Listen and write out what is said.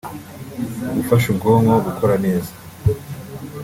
gufasha ubwonko gukora neza